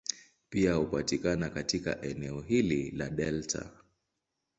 Pia hupatikana katika eneo hili la delta.